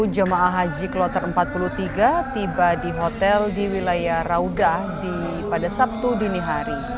dua puluh jemaah haji kloter empat puluh tiga tiba di hotel di wilayah raudah pada sabtu dini hari